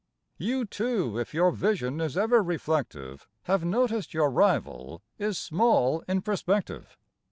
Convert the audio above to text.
You, too, if your vision is ever reflective, Have noticed your rival is small in perspective.